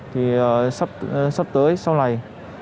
thì sắp tới sau này